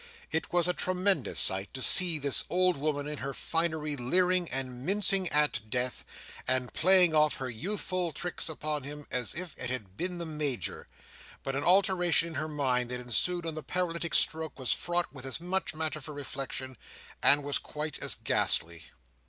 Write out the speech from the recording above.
It was a tremendous sight to see this old woman in her finery leering and mincing at Death, and playing off her youthful tricks upon him as if he had been the Major; but an alteration in her mind that ensued on the paralytic stroke was fraught with as much matter for reflection, and was quite as ghastly.